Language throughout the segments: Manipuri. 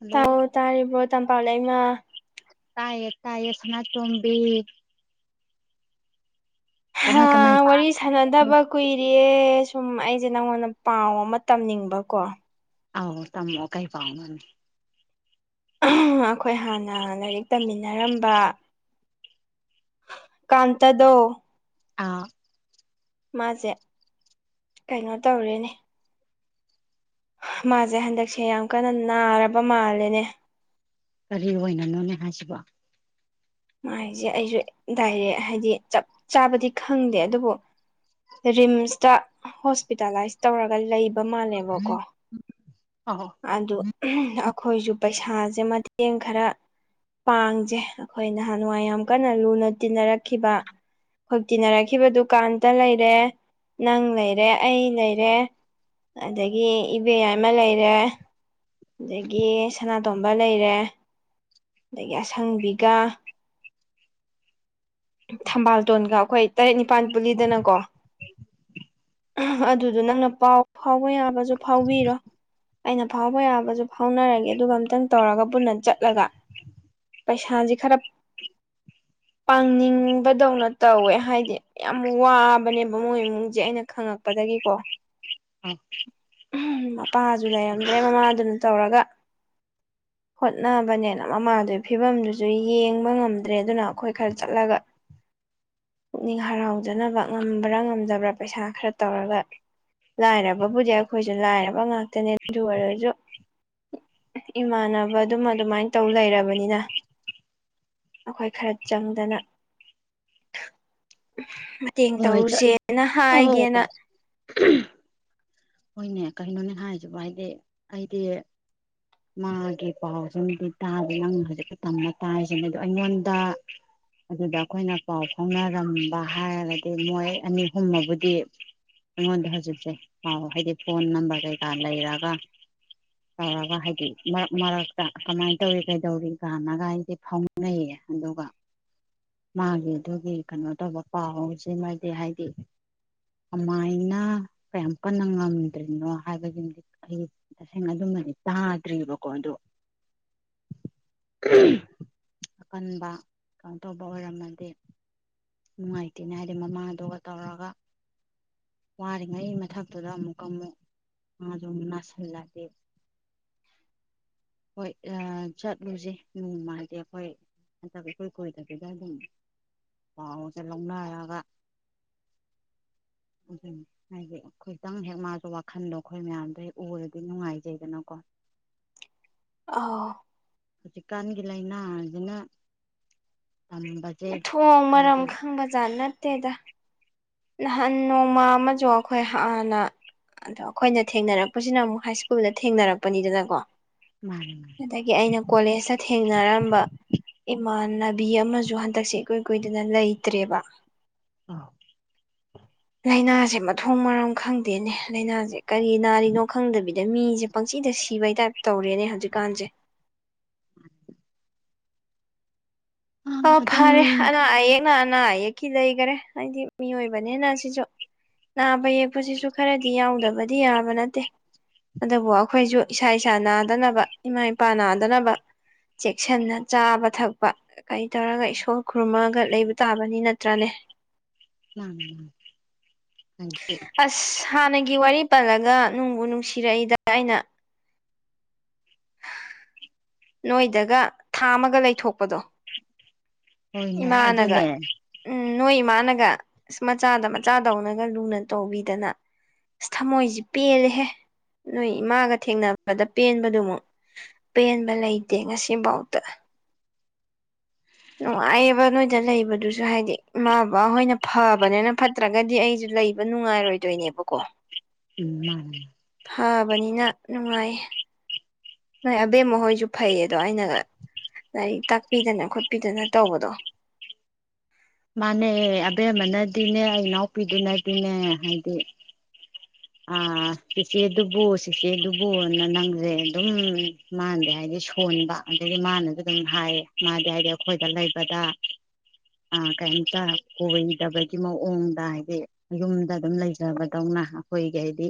ꯍꯜꯂꯣ ꯇꯑꯣ ꯇꯥꯔꯤꯕꯔꯣ ꯇꯝ ꯄ ꯂꯩꯃ ꯇꯥꯏꯌꯦ ꯇꯥꯏꯌꯦ ꯁꯅꯥ ꯇꯣꯝꯕꯤ ꯍꯥ ꯀꯃꯥꯏ ꯋꯥꯔꯤ ꯄꯥꯝꯃꯤ ꯁꯥꯟꯅꯗꯕ ꯀꯨꯏꯔꯦ ꯑꯦ ꯁꯨꯝ ꯑꯩꯁꯦ ꯅꯪꯉꯣꯟꯗ ꯄꯥꯎ ꯑꯃ ꯇꯝꯅꯤꯡꯕꯀꯣ ꯑꯥꯎ ꯇꯃꯛꯑꯣ ꯀꯩ ꯄꯥꯥꯎꯅꯣ ꯑꯩꯈꯣꯏ ꯍꯥꯟꯅ ꯂꯥꯏꯔꯤꯛ ꯇꯝꯃꯤꯟꯅꯔꯝꯕ ꯀꯥꯟꯇꯗꯣ ꯑꯥ ꯃꯥꯁꯦ ꯀꯩꯅꯣ ꯇꯧꯔꯦꯅꯦ ꯃꯥꯁꯦ ꯍꯟꯗꯛꯁꯦ ꯌꯥꯝ ꯀꯟꯅ ꯅꯥꯔꯕ ꯃꯥꯜꯂꯦꯅꯦ ꯀꯔꯤ ꯑꯣꯏꯅꯅꯣꯅꯦ ꯍꯥꯏꯁꯤꯕꯣ ꯃꯥꯏꯁꯦ ꯑꯩꯁꯨ ꯗꯥꯏꯔꯦꯛ ꯍꯥꯏꯕꯗꯤ ꯆꯞ ꯆꯥꯕꯗꯤ ꯈꯪꯗꯦ ꯑꯗꯨꯕꯨ ꯔꯤꯝꯁꯇ ꯍꯣꯁꯄꯤꯇꯥꯂꯥꯏꯁ ꯇꯧꯔꯒ ꯂꯩ ꯀꯃꯥ ꯂꯩꯕꯣ ꯀꯣ ꯑꯧ ꯑꯗꯨ ꯑꯧ ꯑꯩꯈꯣꯏꯁꯨ ꯄꯩꯁꯥꯁꯦ ꯃꯇꯦꯡ ꯈꯔ ꯄꯥꯡꯖꯦ ꯑꯩꯈꯣꯏ ꯅꯍꯥꯟ ꯅꯨꯡꯉ ꯌꯥꯝ ꯀꯟꯅ ꯂꯨꯅ ꯇꯤꯟꯅꯔꯛꯈꯤꯕ ꯑꯩꯈꯣꯏ ꯇꯤꯟꯅꯔꯛꯈꯤꯕ ꯗꯨ ꯀꯥꯟꯇ ꯂꯩꯔꯦ ꯅꯪ ꯂꯩꯔꯦ ꯑꯩ ꯂꯩꯔꯦ ꯑꯗꯒꯤ ꯏꯕꯦꯌꯥꯏꯃ ꯂꯩꯔꯦ ꯑꯗꯒꯤ ꯁꯅꯥꯇꯣꯝꯕ ꯂꯩꯔꯦ ꯑꯗꯒꯤ ꯑꯁꯪꯕꯤꯒ ꯊꯝꯕꯥꯜꯇꯣꯟꯒ ꯑꯩꯈꯣꯏ ꯇꯔꯦꯠ ꯅꯤꯄꯥꯜ ꯄꯨꯂꯤꯗꯅꯀꯣ ꯑꯗꯨꯗꯣ ꯅꯪꯅ ꯄꯥꯎ ꯐꯥꯎꯕ ꯌꯥꯕꯁꯨ ꯐꯥꯎꯕꯤꯔꯣ ꯑꯩꯅ ꯐꯥꯎꯕ ꯌꯥꯕꯁꯨ ꯐꯥꯎꯅꯔꯒꯦ ꯑꯗꯨꯒ ꯑꯝꯇꯪ ꯇꯧꯔꯒ ꯄꯨꯟꯅ ꯆꯠꯂꯒ ꯄꯩꯁꯥꯁꯦ ꯈꯔ ꯄꯥꯡꯅꯤꯡꯕꯗꯧꯅ ꯇꯧꯋꯦ ꯍꯥꯏꯗꯤ ꯌꯥꯝ ꯋꯥꯕꯅꯦꯕ ꯃꯣꯏ ꯏꯃꯨꯡꯖꯦ ꯑꯩꯅ ꯈꯪꯉꯛꯄꯗꯒꯤꯀꯣ ꯑ ꯃꯄꯥꯁꯨ ꯂꯩꯔꯝꯗ꯭ꯔꯦ ꯃꯃꯥꯗꯨꯅ ꯇꯧꯔꯒ ꯍꯣꯠꯅꯕꯅꯦꯅ ꯃꯃꯥꯗꯨꯒꯤ ꯐꯤꯕꯝꯗꯨꯁꯨ ꯌꯦꯡꯕ ꯉꯝꯗ꯭ꯔꯦ ꯑꯗꯨꯅ ꯑꯩꯈꯣꯏ ꯈꯔ ꯆꯠꯂꯒ ꯄꯨꯛꯅꯤꯡ ꯍꯔꯥꯎꯖꯅꯕ ꯉꯝꯕ꯭ꯔꯥ ꯉꯝꯗꯕ꯭ꯔꯥ ꯄꯩꯁꯥ ꯈꯔ ꯇꯧꯔꯒ ꯂꯥꯏꯔꯕꯕꯨꯗꯤ ꯑꯩꯈꯣꯏꯁꯨ ꯂꯥꯏꯔꯕ ꯉꯥꯛꯇꯅꯦ ꯑꯗꯨ ꯑꯣꯏꯔꯁꯨ ꯏꯃꯥꯟꯅꯕ ꯗꯨꯝꯃ ꯑꯗꯨꯃꯥꯏꯅ ꯇꯧ ꯂꯩꯔꯕꯅꯤꯅ ꯑꯩꯈꯣꯏ ꯈꯔ ꯆꯪꯗꯅ ꯇꯦꯡ ꯍꯣꯏ ꯆꯠ ꯇꯧꯔꯨꯁꯦꯅ ꯑꯧ ꯍꯥꯏꯒꯦꯅ ꯍꯣꯏꯅꯦ ꯀꯩꯅꯣꯅꯦ ꯍꯥꯏꯁꯤꯕꯣ ꯍꯥꯏꯗꯤ ꯑꯩꯗꯤ ꯃꯥꯒꯤ ꯄꯥꯎꯁꯤꯃꯗꯤ ꯇꯥꯗꯦ ꯅꯪꯅ ꯍꯧꯖꯤꯛꯇ ꯇꯝꯃ ꯇꯥꯔꯤꯁꯤꯅꯦ ꯑꯗꯨ ꯑꯩꯉꯣꯟꯗ ꯑꯗꯨꯗ ꯑꯩꯈꯣꯏꯅ ꯄꯥꯎ ꯐꯥꯎꯅꯔꯝꯕ ꯍꯥꯏꯔꯒꯗꯤ ꯃꯣꯏ ꯑꯅꯤ ꯑꯨꯝꯃꯕꯨꯗꯤ ꯑꯩꯉꯣꯟꯗ ꯍꯧꯖꯤꯛꯁꯦ ꯄꯥꯎ ꯍꯥꯏꯗꯤ ꯐꯣꯟ ꯅꯝꯕꯔ ꯀꯩꯀꯥ ꯂꯩꯔꯒ ꯇꯧꯔꯒ ꯍꯥꯏꯗꯤ ꯃꯔꯛ ꯃꯔꯛꯇ ꯀꯃꯥꯏꯅ ꯇꯧꯔꯤ ꯀꯩꯗꯧꯔꯤ ꯀꯥꯟꯅꯒ ꯍꯥꯏꯗꯤ ꯐꯥꯎꯅꯩꯌꯦ ꯑꯗꯨꯒ ꯃꯥꯒꯤꯗꯨꯒꯤ ꯀꯩꯅꯣ ꯇꯧꯕ ꯄꯥꯎꯁꯤꯃꯗꯤ ꯍꯥꯏꯗꯤ ꯀꯃꯥꯏꯅ ꯀꯌꯥꯝ ꯀꯟꯅ ꯉꯝ ꯇ꯭ꯔꯤꯅꯣ ꯍꯥꯏꯕꯒꯤꯃꯗꯤ ꯑꯩ ꯇꯁꯦꯡꯅ ꯑꯗꯨꯃꯗꯤ ꯇꯥꯗ꯭ꯔꯤꯕꯔꯤꯕꯀꯣ ꯑꯗꯣ ꯑꯀꯟꯕ ꯀꯩꯅꯣ ꯇꯧꯕ ꯑꯣꯏꯔꯝꯃꯗꯤ ꯅꯨꯡꯉꯥꯏꯇꯦꯅꯦ ꯍꯥꯏꯗꯤ ꯃꯃꯥꯗꯨꯒ ꯇꯧꯔꯒ ꯋꯥꯔꯤꯉꯩ ꯃꯊꯛꯇꯨꯗ ꯑꯃꯨꯛꯀ ꯑꯃꯨꯛ ꯃꯥꯁꯨ ꯑꯃꯨꯛ ꯅꯥꯁꯤꯜꯂꯗꯤ ꯍꯣꯏ ꯑ ꯆꯠꯂꯨꯖꯤ ꯅꯣꯡꯃꯗꯤ ꯑꯩꯈꯣꯏ ꯅꯠꯇ꯭ꯔ ꯏꯀꯨꯏ ꯀꯨꯏꯗꯕꯤꯗ ꯑꯗꯨꯝ ꯄꯥꯎꯁꯦ ꯂꯧꯅꯔꯒ ꯑꯗꯨꯅꯤ ꯍꯥꯏꯗꯤ ꯈꯤꯇꯪ ꯍꯦꯛ ꯃꯥꯁꯨ ꯋꯥꯈꯜꯗꯣ ꯑꯩꯈꯣꯏ ꯃꯌꯥꯝꯗꯣ ꯍꯦꯛ ꯎꯔꯗꯤ ꯅꯨꯡꯉꯥꯏꯖꯩꯗꯅꯀꯣ ꯑꯧ ꯍꯧꯖꯤꯛ ꯀꯥꯟꯒꯤ ꯂꯩꯥꯏꯅꯥꯖꯤꯅ ꯇꯝꯕꯖꯦ [inaudible] ꯃꯔꯝ ꯈꯪꯕ ꯖꯥꯠ ꯅꯠꯇꯦꯗ ꯅꯍꯥꯟ ꯅꯣꯡꯃ ꯑꯃꯁꯨ ꯑꯩꯈꯣꯏ ꯍꯥꯟꯅ ꯑꯗꯣ ꯑꯩꯈꯣꯏꯅ ꯊꯦꯡꯅꯔꯛꯄꯁꯤꯅ ꯑꯃꯨꯛ ꯍꯥꯏ ꯁ꯭ꯀꯨꯜꯗ ꯊꯦꯡꯅꯔꯛꯄꯅꯤꯗꯅꯀꯣ ꯃꯥꯅꯤ ꯃꯥꯅꯤ ꯑꯗꯒꯤ ꯑꯩꯅ ꯀꯣꯂꯦꯖꯇ ꯊꯦꯡꯅꯔꯝꯕ ꯏꯃꯥꯟ ꯅꯕꯤ ꯑꯃꯁꯨ ꯍꯟꯗꯛꯁꯦ ꯏꯀꯨꯏ ꯀꯨꯏꯗꯅ ꯂꯩꯇ꯭ꯔꯦꯕ ꯑ ꯂꯥꯏꯅꯥꯁꯦ ꯃꯊꯣꯡ ꯃꯔꯝ ꯈꯪꯗꯦꯅꯦ ꯂꯥꯏꯅꯥꯁꯦ ꯀꯔꯤ ꯅꯥꯔꯤꯅꯣ ꯈꯪꯗꯕꯤꯅꯤ ꯃꯤꯖꯦ ꯄꯪꯁꯤꯗ ꯁꯤꯕꯩ ꯇꯥꯏꯞ ꯇꯧꯔꯦꯅꯦ ꯍꯧꯖꯤꯛꯀꯥꯟꯁꯦ ꯑꯥ ꯑꯣ ꯑꯗꯨꯝ ꯐꯔꯦꯅ ꯌꯦ ꯑꯅꯥ ꯑꯌꯦꯛꯀꯤ ꯂꯩꯈꯔꯦ ꯍꯥꯏꯗꯤ ꯃꯤꯑꯣꯏꯕꯅꯦꯅ ꯁꯤꯁꯨ ꯅꯥꯕ ꯌꯦꯛꯄꯁꯤꯁꯨ ꯈꯔꯗꯤ ꯌꯥꯎꯗꯕꯗꯤ ꯌꯥꯕ ꯅꯠꯇꯦ ꯑꯗꯨꯕꯨ ꯑꯩꯈꯣꯏꯁꯨ ꯏꯁꯥ ꯏꯁꯥ ꯅꯥꯗꯅꯕ ꯏꯃꯥ ꯏꯄꯥ ꯅꯥꯗꯅꯕ ꯆꯦꯛꯁꯤꯟꯅ ꯆꯥꯕ ꯊꯛꯄ ꯀꯩ ꯇꯧꯔꯒ ꯏꯁꯣꯔ ꯈꯨꯔꯨꯝꯃꯒ ꯂꯩꯕ ꯇꯥꯕꯅꯤ ꯅꯠꯇ꯭ꯔꯅꯦ ꯃꯥꯟꯅꯤ ꯃꯥꯟꯅꯤ ꯑꯁ [inaudible] ꯍꯥꯟꯅꯒꯤ ꯋꯥꯔꯤ ꯄꯜꯂꯒ ꯅꯨꯡꯕꯨ ꯅꯨꯡꯁꯤꯔꯛꯏꯗ ꯑꯩꯅ ꯅꯣꯏꯗꯒ ꯊꯥ ꯑꯃꯒ ꯂꯩꯊꯣꯛꯄꯗꯣ ꯍꯣꯏꯅꯦ ꯏꯃꯥꯅꯒ ꯑꯗꯨꯅꯦ ꯎꯝ ꯅꯣꯏ ꯏꯃꯥꯅꯒ ꯑꯁ ꯃꯆꯥꯗ ꯃꯆꯥꯗꯧꯅꯒ ꯂꯨꯅ ꯇꯧꯕꯤꯗꯅ ꯑꯁ ꯊꯃꯣꯏꯁꯤ ꯄꯦꯜꯂꯦꯍꯦ ꯅꯣꯏ ꯏꯃꯥꯒ ꯊꯦꯡꯅꯕꯗ ꯄꯦꯟꯕꯗꯨꯃꯨꯛ ꯄꯦꯟꯕ ꯂꯩꯇꯦ ꯉꯁꯤꯕꯥꯎꯇ ꯅꯨꯡꯉꯥꯏꯑꯕ ꯅꯣꯏꯗ ꯂꯩꯕꯗꯨꯁꯨ ꯍꯥꯏꯗꯤ ꯏꯃꯥ ꯕꯕꯥꯍꯣꯏꯅ ꯐꯕꯅꯤꯅ ꯐꯠꯇ꯭ꯔꯒꯗꯤ ꯑꯩꯁꯨ ꯂꯩꯕ ꯅꯨꯡꯉꯥꯏꯔꯣꯏꯗꯣꯏꯅꯦꯕꯀꯣ ꯎꯝ ꯊꯥꯕꯅꯤꯅ ꯅꯨꯡꯉꯥꯏꯌꯦ ꯅꯣꯏ ꯑꯕꯦꯝ ꯃꯈꯣꯏꯁꯨ ꯐꯩꯌꯦꯗꯣ ꯑꯩꯅ ꯂꯥꯏꯔꯤꯛ ꯇꯥꯛꯄꯤꯗꯅ ꯈꯣꯠꯄꯤꯗꯅ ꯇꯧꯕꯗꯣ ꯃꯥꯅꯦ ꯑꯦ ꯑꯕꯦꯝ ꯑꯃꯅꯗꯤꯅꯦ ꯑꯩ ꯏꯅꯥꯎꯄꯤꯗꯨꯅꯗꯤꯅꯦ ꯍꯥꯏꯗꯤ ꯑ ꯆꯤꯆꯦꯗꯨꯕꯨ ꯆꯤꯆꯦꯗꯨꯕꯨꯅ ꯅꯪꯁꯦ ꯑꯗꯨꯝ ꯃꯥꯅꯗꯤ ꯍꯥꯏꯗꯤ ꯁꯣꯟꯕ ꯑꯗꯒꯤ ꯃꯥꯅꯁꯨ ꯑꯗꯨꯝ ꯍꯥꯏꯌꯦ ꯃꯥꯗꯤ ꯍꯥꯏꯗꯤ ꯑꯩꯈꯣꯏꯗ ꯂꯩꯕꯗ ꯑ ꯀꯩꯝꯇ ꯀꯣꯏꯗꯕꯒꯤ ꯃꯑꯣꯡꯗ ꯍꯥꯏꯗꯤ ꯌꯨꯝꯗ ꯑꯗꯨꯝ ꯂꯩꯖꯕꯗꯧꯅ ꯑꯩꯈꯣꯏꯒꯤ ꯍꯥꯏꯗꯤ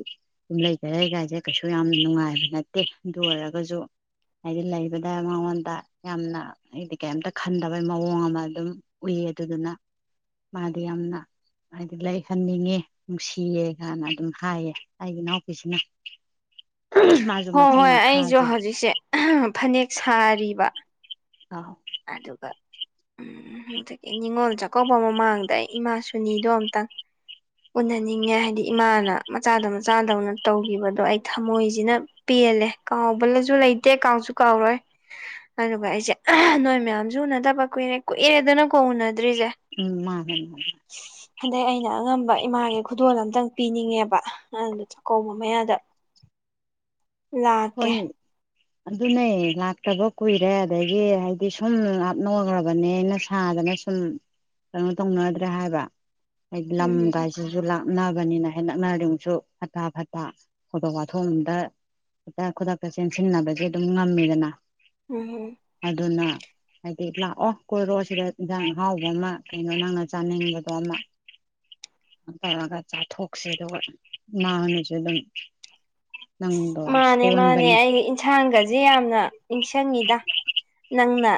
ꯁꯨꯝ ꯂꯩꯖꯔꯦ ꯀꯥꯏꯁꯦ ꯀꯩꯁꯨ ꯌꯥꯝ ꯅꯨꯡꯉꯥꯏꯕ ꯅꯠꯇꯦ ꯑꯗꯨ ꯑꯣꯏꯔꯒꯁꯨ ꯍꯥꯏꯗꯤ ꯂꯩꯕꯗ ꯃꯉꯣꯟꯗ ꯌꯥꯝꯅ ꯍꯥꯏꯗꯤ ꯀꯩꯝꯇ ꯈꯟꯗꯕꯩ ꯃꯑꯣꯡ ꯑꯃ ꯑꯗꯨꯝ ꯎꯏꯌꯦ ꯑꯗꯨꯗꯨꯅ ꯃꯥꯗꯤ ꯌꯥꯝꯅ ꯍꯥꯏꯗꯤ ꯂꯩꯍꯟꯅꯤꯡꯉꯦ ꯅꯨꯡꯁꯤꯌꯦ ꯀꯥꯏꯅ ꯑꯗꯨꯝ ꯍꯥꯏꯌꯦ ꯑꯩꯒꯤ ꯏꯅꯥꯎꯄꯤꯁꯤꯅ ꯃꯥꯁꯨ ꯍꯣꯏ ꯃꯆꯤꯟ ꯍꯣꯏ ꯑꯩꯁꯨ ꯃꯈꯥꯁꯦ ꯍꯧꯖꯤꯛꯁꯦ ꯐꯅꯦꯛ ꯁꯥꯔꯤꯕ ꯑ ꯑꯗꯨꯒ ꯑꯗꯒꯤ ꯅꯤꯡꯅꯤꯉꯣꯜ ꯆꯥꯛꯀꯧꯕ ꯃꯃꯥꯡꯗ ꯑꯩ ꯏꯃꯥꯁꯨꯅꯤꯗꯣ ꯑꯝꯇꯪ ꯎꯅꯅꯤꯡꯉꯦ ꯍꯥꯏꯗꯤ ꯏꯃꯥꯅ ꯃꯆꯥꯗꯣ ꯃꯆꯥꯗꯧꯅ ꯇꯧꯈꯤꯕꯗꯣ ꯑꯩ ꯊꯝꯃꯣꯏꯁꯤꯅ ꯄꯦꯜꯂꯦ ꯀꯥꯎꯕꯂꯁꯨ ꯂꯩꯇꯦ ꯀꯥꯎꯁꯨ ꯀꯥꯎꯔꯣꯏ ꯑꯗꯨꯒ ꯑꯩꯁꯦ ꯅꯣꯏ ꯃꯌꯥꯝꯁꯨ ꯎꯅꯗꯕ ꯀꯨꯏꯔꯦ ꯀꯨꯏꯔꯦꯗꯅꯀꯣ ꯎꯅꯗꯦ ꯎꯝ ꯃꯥ ꯍ ꯍꯟꯗꯛ ꯑꯩꯅ ꯑꯉꯝꯕ ꯏꯃꯥꯒꯤ ꯈꯨꯗꯣꯜ ꯑꯝꯇꯪ ꯄꯤꯅꯤꯡꯉꯦꯕ ꯑꯗꯨ ꯆꯥꯛꯀꯧꯕ ꯃꯌꯥꯗ ꯂꯥꯛꯀꯦ ꯍꯣꯏ ꯑꯗꯨꯅꯦ ꯂꯥꯛꯇꯕ ꯀꯨꯏꯔꯦ ꯑꯗꯒꯤ ꯍꯥꯏꯗꯤ ꯁꯨꯝ ꯂꯞꯅꯧꯈ꯭ꯔꯕꯅꯦꯅ ꯁꯥꯗꯅ ꯁꯨꯝ ꯀꯩꯅꯣ ꯇꯧꯅꯗ꯭ꯔꯦ ꯍꯥꯏꯕ ꯑꯦ ꯂꯝ ꯎꯝ ꯥꯏꯁꯨꯁꯨꯨꯂꯥꯛ ꯅꯛꯅꯕꯅꯤꯅ ꯍꯦꯛ ꯅꯛꯅꯔꯤꯃꯁꯨ ꯐꯠꯇ ꯐꯠꯇ ꯊꯧꯗꯣꯛ ꯋꯥꯊꯣꯛꯗ ꯍꯗ ꯈꯨꯗꯛꯇ ꯆꯦꯟꯁꯤꯟꯅꯕꯁꯦ ꯑꯗꯨꯝ ꯉꯝꯃꯤꯗꯅ ꯎꯝ ꯑꯗꯨꯅ ꯍꯥꯏꯗꯤ ꯂꯥꯛꯑꯣ ꯀꯣꯏꯔꯣ ꯁꯤꯗ ꯏꯟꯖꯥꯡ ꯑꯍꯥꯎꯕ ꯑꯃ ꯀꯩꯅꯣ ꯅꯪꯅ ꯆꯥꯅꯤꯡꯕꯗꯣ ꯑꯃ ꯇꯧꯔꯒ ꯆꯥꯊꯣꯛꯁ ꯑꯗꯨꯒ ꯃꯥꯃꯥꯡꯅꯁꯨ ꯑꯗꯨꯝ ꯅꯪꯗꯣ ꯃꯥꯅꯦ ꯃꯥꯅꯦ ꯁꯣꯟꯕꯅꯤ ꯑꯩꯁ ꯏꯟꯁꯥꯡꯒꯁꯦ ꯌꯥꯝꯅ ꯅꯤꯡꯁꯤꯡꯉꯤꯗ ꯅꯪꯅ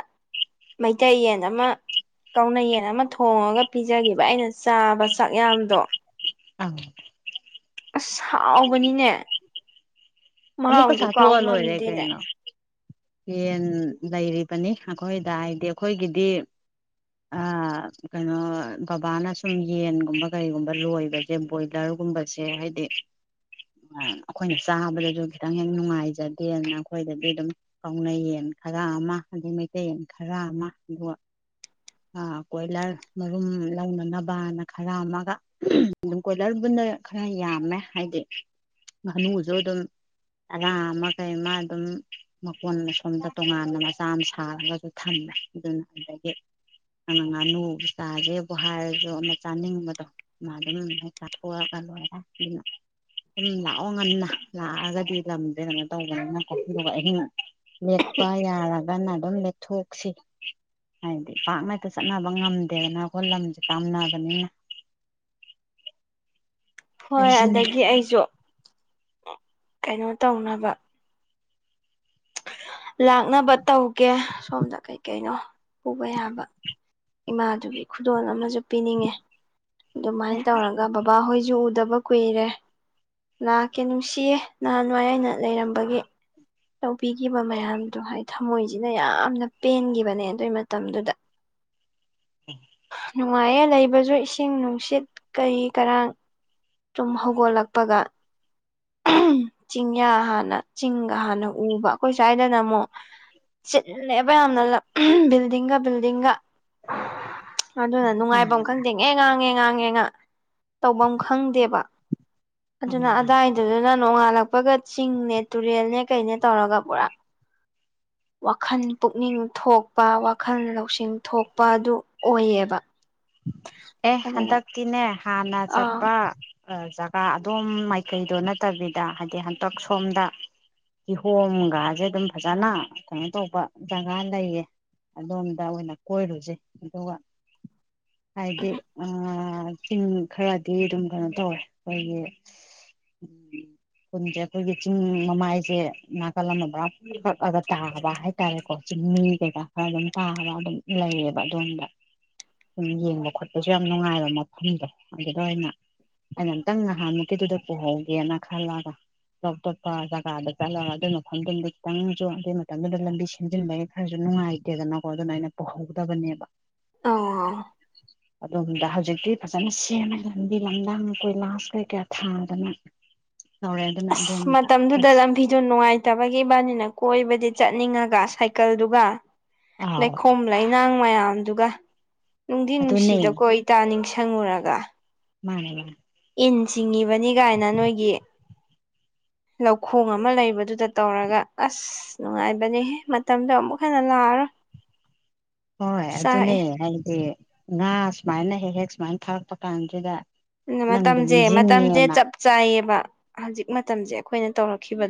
ꯃꯩꯇꯩꯌꯦꯟ ꯑꯃ ꯀꯥꯎꯅꯌꯦꯟ ꯑꯃ ꯊꯣꯡꯉꯒ ꯄꯤꯖꯈꯤꯕ ꯑꯩꯅ ꯆꯥꯕ ꯆꯥꯛꯌꯥꯝꯗꯣ ꯑ ꯑꯁ ꯍꯥꯎꯕꯅꯤꯅꯦ ꯑꯃꯃꯨꯀ ꯃꯍꯥꯎꯗꯨ ꯁꯥꯊꯣ ꯀꯥꯎ ꯋꯥꯂꯣ ꯑꯣꯏꯔꯦ ꯉꯝꯗꯦꯅꯦ ꯀꯥꯏꯅ ꯌꯦꯟ ꯂꯩꯔꯤꯕꯅꯤ ꯑꯩꯈꯣꯏꯗ ꯍꯥꯏꯗꯤ ꯑꯩꯈꯣꯏꯒꯤꯗꯤ ꯀꯩꯅꯣ ꯕꯕꯥꯅ ꯁꯨꯝ ꯌꯦꯟꯒꯨꯝꯕ ꯀꯔꯤꯒꯨꯝꯕ ꯂꯣꯏꯕꯁꯦ ꯕꯣꯏꯂꯔꯒꯨꯝꯕꯁꯦ ꯍꯥꯏꯗꯤ ꯑꯩꯈꯣꯏꯅ ꯆꯥꯕꯗꯁꯨ ꯈꯤꯇꯪ ꯍꯦꯛ ꯅꯨꯡꯉꯥꯏꯖꯗꯦꯅ ꯑꯩꯈꯣꯏꯗꯗꯤ ꯑꯗꯨꯝ ꯀꯥꯎꯅꯩꯌꯦꯟ ꯈꯔ ꯑꯃ ꯑꯗꯩ ꯃꯩꯇꯩꯌꯦꯟ ꯈꯔ ꯑꯃ ꯑꯗꯨꯒ ꯀꯣꯏꯂꯔ ꯃꯔꯨꯝ ꯂꯧꯅꯅꯕꯅ ꯈꯔ ꯑꯃꯒ ꯑꯗꯨꯝ ꯀꯣꯏꯂꯔꯕꯨꯅ ꯈꯔ ꯌꯥꯝꯃꯦ ꯍꯥꯏꯗꯤ ꯉꯥꯅꯨꯁꯨ ꯑꯗꯨꯝ ꯑꯔꯥ ꯑꯃ ꯀꯩ ꯑꯃ ꯑꯗꯨꯝ ꯃꯀꯣꯟ ꯑꯁꯣꯝꯗ ꯇꯣꯉꯥꯟꯅ ꯃꯆꯥ ꯑꯃ ꯁꯥꯔꯒꯁꯨ ꯊꯝꯃꯦ ꯑꯗꯨꯅ ꯑꯗꯒꯤ ꯑꯅ ꯉꯥꯅꯨꯕꯨ ꯆꯥꯁꯦꯕꯨ ꯍꯥꯏꯔꯁꯨ ꯑꯃ ꯆꯥꯅꯤꯡꯕꯗꯣ ꯃꯥ ꯑꯗꯨꯝ ꯍꯦꯛ ꯆꯥꯊꯣꯛꯑꯒ ꯂꯣꯏꯔꯦ ꯑꯗꯨꯅ ꯑꯗꯨꯨꯝ ꯂꯥꯛꯑꯣ ꯉꯟꯅ ꯂꯥꯛꯑꯒꯗꯤ ꯂꯝꯗꯦ ꯇꯧꯕꯅꯤꯅꯀꯣ ꯑꯗꯨꯒ ꯑꯍꯩꯅ ꯂꯦꯛꯄ ꯌꯥꯔꯒꯅ ꯑꯗꯨ ꯊꯣꯛꯁꯤ ꯍꯥꯏꯗꯤ ꯄꯥꯛ ꯉꯛꯇ ꯆꯠꯅꯕ ꯉꯝꯗꯦꯗꯅ ꯑꯩꯈꯣꯏ ꯂꯝꯁꯦ ꯄꯥꯝꯅꯕꯅꯤꯅ ꯍꯣꯏ ꯑꯗꯒꯤ ꯑꯩꯁꯨ ꯀꯩꯅꯣ ꯇꯧꯅꯕ ꯂꯥꯛꯅꯕ ꯇꯧꯒꯦ ꯁꯣꯝꯗ ꯀꯩꯀꯩꯅꯣ ꯄꯨꯕ ꯌꯥꯕ ꯏꯃꯥꯗꯨꯒꯤ ꯈꯨꯗꯣꯜ ꯑꯃꯖꯨ ꯄꯤꯅꯤꯡꯉꯦ ꯗꯨꯃꯥꯏꯟ ꯑꯦ ꯇꯧꯔꯒ ꯕꯕꯥ ꯍꯣꯏꯖꯨ ꯎ ꯗꯕ ꯀꯨꯏꯔꯦ ꯂꯥꯛꯀꯦ ꯅꯨꯡꯁꯤꯌꯦ ꯅꯍꯥꯟꯋꯥꯏ ꯑꯏꯩꯅ ꯂꯩꯔꯝꯕꯒꯤ ꯇꯧꯕꯤꯈꯤꯕ ꯃꯌꯥꯝꯗꯣ ꯍꯥꯏ ꯊꯃꯣꯏꯖꯤꯅ ꯌꯥꯝꯅ ꯄꯦꯟꯒꯤꯕꯅꯦ ꯑꯗꯨꯏ ꯃꯇꯝꯗꯨꯗ ꯅꯨꯡꯉꯥꯏꯌꯦ ꯂꯩꯕꯖꯨ ꯏꯁꯤꯡ ꯅꯨꯡꯁꯤꯠ ꯀꯩ ꯀꯔꯥꯡ ꯇꯨꯝ ꯍꯧꯒꯠꯂꯛꯄꯒ ꯆꯤꯡꯌꯥ ꯑꯗꯨꯅ ꯅꯨꯡꯉꯥꯏꯕꯝ ꯃꯥꯅ ꯈꯪꯗꯦ ꯉꯦꯉꯥ ꯉꯦꯉꯥ ꯉꯦꯉꯥ ꯇꯧꯕꯝ ꯈꯪꯗꯦꯕ ꯑꯗꯨꯅ ꯃꯥꯅ ꯑꯗꯥꯏ ꯑꯗꯨꯅ ꯅꯣꯡꯉꯥꯜꯂꯛꯄꯒ ꯆꯤꯡꯅꯦ ꯇꯨꯔꯦꯜꯅꯦ ꯀꯩꯅꯦ ꯇꯧꯔꯒ ꯄꯨꯔꯥ ꯋꯥꯈꯟ ꯄꯨꯛꯅꯤꯡ ꯊꯣꯛꯄ ꯋꯥꯈꯟ ꯂꯧꯁꯤꯡ ꯊꯣꯛꯄ ꯑꯗꯨ ꯑꯣꯏꯌꯦꯕ ꯑꯦ ꯑꯗꯨꯅ ꯍꯇꯛꯇꯤꯅꯦ ꯍꯥꯅ ꯑꯥ ꯆꯠꯄ ꯖꯒꯥ ꯑꯗꯣꯝ ꯃꯥꯏꯀꯩꯗꯣ ꯅꯠꯇꯕꯤꯗ ꯍꯥꯏꯗꯤ ꯍꯟꯇꯛ ꯁꯣꯝꯗ ꯀꯤꯍꯣꯝꯒꯁꯦ ꯗꯨꯝ ꯐꯖꯅ ꯀꯩꯅꯣ ꯇꯧꯕ ꯖꯒꯥ ꯂꯩꯌꯦ ꯑꯗꯣꯝꯗ ꯑꯣꯏꯅ ꯀꯣꯏꯔꯨꯁꯦ ꯗꯨꯒ ꯍꯥꯏꯗꯤ ꯎꯝ ꯆꯤꯡ ꯈꯔꯗꯤ ꯗꯨꯝ ꯎꯝ ꯌꯦꯡꯕ ꯈꯣꯠꯄꯁꯨ ꯌꯥꯝ ꯅꯨꯡꯉꯥꯏꯕ ꯃꯐꯝꯗꯣ ꯑꯗꯨꯗ ꯑꯣꯏꯅ ꯑꯩꯅ ꯑꯃꯇꯪ ꯅꯍꯥꯟꯃꯨꯛꯀꯤꯗꯨꯗ ꯄꯨꯍꯧꯗꯦꯅ ꯈꯜꯂꯒ ꯇꯣꯞ ꯇꯣꯠꯄ ꯖꯒꯥꯗ ꯆꯠꯂꯒ ꯌꯦꯡꯕ ꯈꯣꯠꯄꯁꯨ ꯌꯥꯝ ꯅꯨꯌꯥꯏꯌꯦꯕ ꯃꯐꯝꯗꯣ ꯈꯤꯇꯪꯁꯨ ꯑꯗꯨꯏ ꯃꯇꯝꯗꯨꯗ ꯂꯝꯕꯤ ꯁꯦꯝꯖꯤꯟꯕꯒꯤ ꯈꯔꯁꯨ ꯅꯨꯡꯉꯥꯏꯇꯦꯗꯅꯀꯣ ꯑꯗꯨꯅ ꯑꯩꯅ ꯄꯨꯍꯧꯗꯕꯅꯦꯕ ꯑꯣ [inaudible] ꯑꯗꯨꯣꯝꯗ ꯍꯧꯖꯤꯛꯇꯤ ꯐꯖꯅ ꯁꯦꯝꯃꯦꯗ ꯂꯝꯕꯤ ꯂꯝꯗꯥꯡ ꯀꯣꯏꯂꯥꯁ ꯀꯩꯀꯥ ꯊꯥꯗꯅ ꯇꯧꯔꯦ ꯑꯗꯨꯅ ꯑꯁ ꯑꯗꯣꯝꯗ ꯃꯇꯝꯗꯨꯗ ꯆꯠꯁꯤ ꯂꯝꯕꯤꯗꯨ ꯅꯨꯡꯉꯥꯏꯇꯕꯒꯤ ꯏꯕꯥꯅꯤꯅ ꯀꯣꯏꯕꯗꯤ ꯆꯠꯅꯤꯡꯉꯒ ꯁꯥꯏꯀꯜꯗꯨꯒ ꯑꯥꯎ ꯂꯩꯈꯣꯝ ꯂꯩꯅꯥꯡ ꯃꯌꯥꯝ ꯗꯨꯒ ꯅꯨꯡꯗꯤ ꯑꯗꯨꯅꯦ ꯅꯨꯡꯁꯤꯗꯀꯣ ꯑꯩ ꯇꯥ ꯅꯤꯡꯁꯤ ꯍꯪꯉꯨꯔꯒ ꯃꯥꯅꯦ ꯃꯥꯟ ꯏꯟ ꯆꯤꯡꯉꯤꯕꯅꯤ ꯒꯥꯏꯅ ꯅꯣꯏꯒꯤ ꯂꯧꯈꯣꯡ ꯑꯃ ꯂꯩꯕꯗꯨꯗ ꯇꯧꯔꯒ ꯑꯁ ꯅꯨꯡꯉꯥꯏꯕꯅꯦꯍꯦ ꯃꯇꯝꯗꯣ ꯑꯃꯨꯛ ꯍꯟꯅ ꯂꯥꯛꯑꯔꯣꯏ [inaudible] ꯆꯥꯛꯑꯦ ꯁꯃꯥꯏꯅ ꯍꯦꯛ ꯍꯦꯛ ꯁꯨꯃꯥꯏꯅ ꯊꯥꯔꯛꯄ ꯀꯥꯟꯁꯤꯗ ꯅꯪꯗꯣ ꯃꯇꯝꯖꯦ ꯃꯇꯝꯖꯦ ꯅꯤꯡꯁꯤꯡꯉꯦꯅ ꯆꯞ ꯆꯥꯏꯌꯦꯕ ꯍꯧꯖꯤꯛ ꯃꯇꯝꯖꯦ ꯑꯈꯣꯏꯅ ꯇꯧꯔꯛꯈꯤꯕ